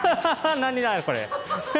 何だこれ。